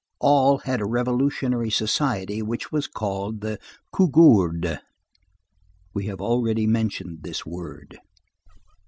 All had a revolutionary society which was called the Cougourde. We have already mentioned this word.